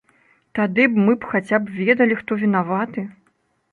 Тады б мы б хаця б ведалі, хто вінаваты.